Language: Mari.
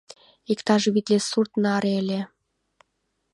Иктаж витле сурт наре ыле.